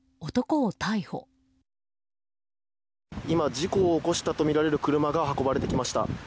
事故を起こしたとみられる車が運ばれてきました。